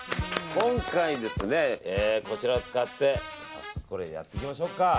今回、こちらを使ってやっていきましょうか。